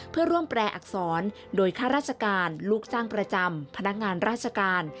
เพื่อร่วมแปลอักษรโดยข้าราชการลูกจ้างประจำพนักงานราชการ